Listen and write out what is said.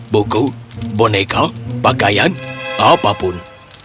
buku boneka pakaian apapun